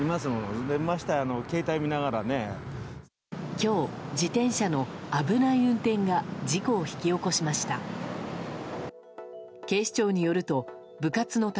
今日、自転車の危ない運転が事故を引き起こしました。